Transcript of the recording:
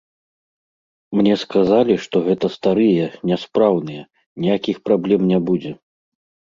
Мне сказалі, што гэта старыя, няспраўныя, ніякіх праблем не будзе.